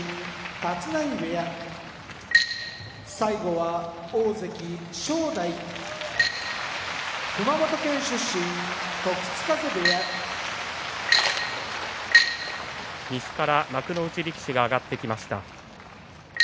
立浪部屋大関・正代熊本県出身時津風部屋西から幕内力士が上がってきました。